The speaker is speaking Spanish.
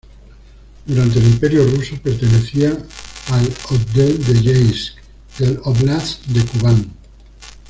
Durante el Imperio ruso pertenecía al otdel de Yeisk del óblast de Kubán.